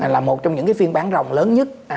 là một trong những phiên bán rồng lớn nhất